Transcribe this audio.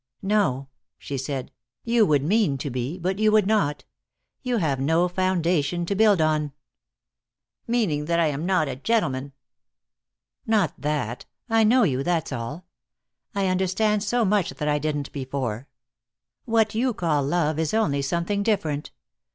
"No," she said, "you would mean to be, but you would not. You have no foundation to build on." "Meaning that I am not a gentleman." "Not that. I know you, that's all. I understand so much that I didn't before. What you call love is only something different.